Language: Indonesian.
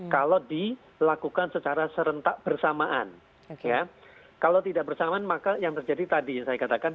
kalau dilakukan secara serentak bersamaan ya kalau tidak bersamaan maka yang terjadi tadi yang saya katakan